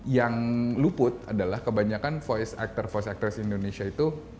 yang luput adalah kebanyakan voice actor voice actures indonesia itu